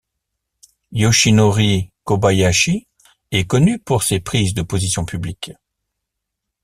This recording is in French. Yoshinori Kobayashi est connu pour ses prises de position publiques.